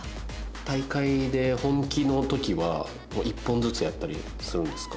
大会で本気の時は１本ずつやったりするんですか？